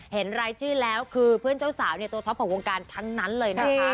เห็นรายชื่อแล้วคือเพื่อนเจ้าสาวเนี่ยตัวท็อปของวงการทั้งนั้นเลยนะคะ